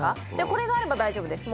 これがあれば大丈夫です